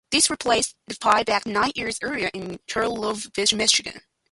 This replaced the pie baked nine years earlier in Charlevoix, Michigan.